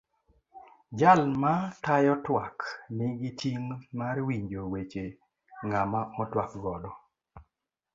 Jal matayo twak nigi ting' mar winjo weche ng'ama otwak godo.